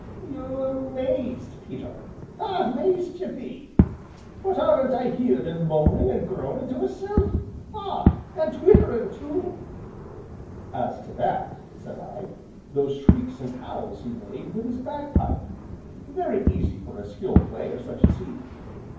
"You'm mazed, Peter ah! mazed ye be! What, aren't I heerd un moanin' an' groanin' to 'isself ah! an' twitterin' to?" "As to that," said I, "those shrieks and howls he made with his bagpipe, very easy for a skilled player such as he."